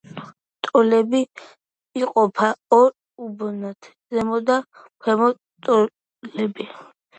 ტოლები იყოფა ორ უბნად: ზემო და ქვემო ტოლები.